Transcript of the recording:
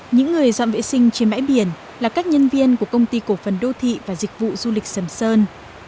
những người dọn vệ sinh trên bãi biển là các nhân viên của công ty cổ phần đô thị và dịch vụ du lịch sầm sơn